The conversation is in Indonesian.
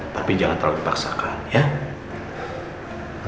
tapi jangan terlalu dipaksakan ya